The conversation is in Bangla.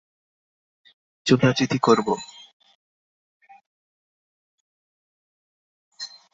চোদাচুদি করবো!